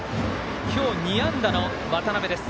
今日、２安打の渡邊。